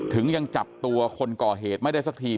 ยังจับตัวคนก่อเหตุไม่ได้สักที